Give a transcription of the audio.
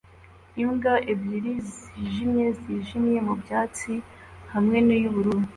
Imbwa ebyiri zijimye zijimye mu byatsi hamwe na y'ubururu